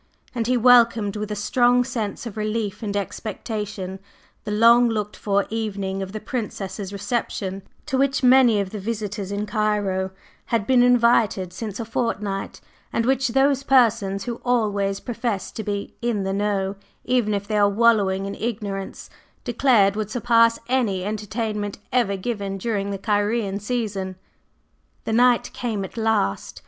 And he welcomed with a strong sense of relief and expectation the long looked for evening of the Princess's "reception," to which many of the visitors in Cairo had been invited since a fortnight, and which those persons who always profess to be "in the know," even if they are wallowing in ignorance, declared would surpass any entertainment ever given during the Cairene season. The night came at last.